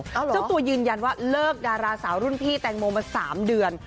เจ้าตัวยืนยันว่าเลิกดาราสาวรุ่นพี่แตงโมมา๓เดือน